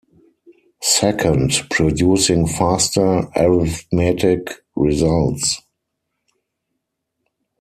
Second, producing faster arithmetic results.